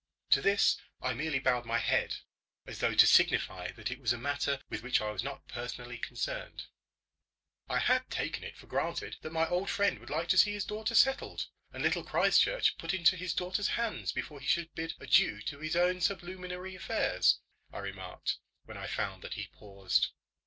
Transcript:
To this I merely bowed my head, as though to signify that it was a matter with which I was not personally concerned. "I had taken it for granted that my old friend would like to see his daughter settled, and Little Christchurch put into his daughter's hands before he should bid adieu to his own sublunary affairs," I remarked, when I found that he paused.